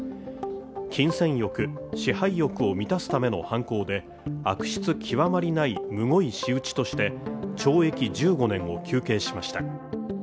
金銭欲、支配欲を満たすための犯行で悪質極まりないむごい仕打ちとして懲役１５年を求刑しました。